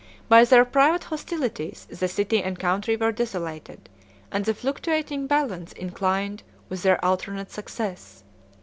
By their private hostilities the city and country were desolated, and the fluctuating balance inclined with their alternate success.